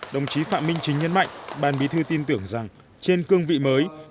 đồng chí phạm minh chính nhấn mạnh bàn bí thư tin tưởng rằng trên cương vị mới